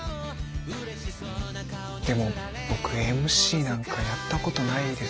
でも僕ＭＣなんかやったことないですし。